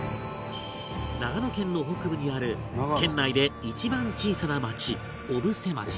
長野県の北部にある県内で一番小さな町小布施町